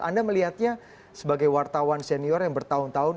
anda melihatnya sebagai wartawan senior yang bertahun tahun